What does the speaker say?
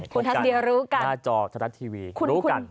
คุณทัศเดียรู้กันหน้าจอทนัดทีวีรู้กัน